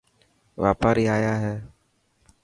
واپاري آيا هي.